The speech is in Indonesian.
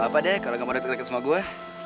gak apa deh kalo gak mau ditik tikin sama gue